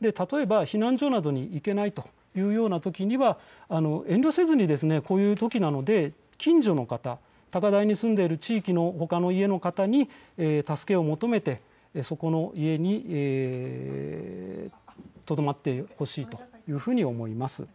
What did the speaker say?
例えば避難所などに行けないというときには遠慮せずにこういうときなので近所の方、高台に住んでいる地域のほかの方に助けを求めてそこの家にとどまってほしいというふうに思います。